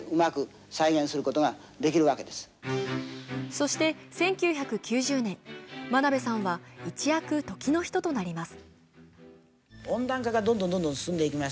そして１９９０年、真鍋さんは一躍時の人となります。